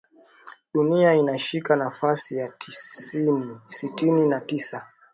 Duniani inashika nafasi ya sitini na tisa